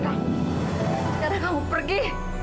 tidak ada kamu pergi